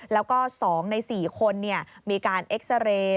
แล้วก็๒ใน๔คนมีการเอ็กซาเรย์